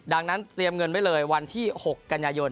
ดังนั้นเตรียมเงินไว้เลยวันที่๖กันยายน